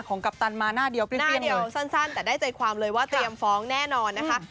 กัปตันมาหน้าเดียวสั้นแต่ได้ใจความเลยว่าเตรียมฟ้องแน่นอนนะคะ